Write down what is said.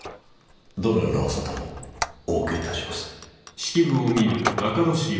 どのようなお沙汰もお受け致します。